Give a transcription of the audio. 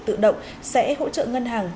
tự động sẽ hỗ trợ ngân hàng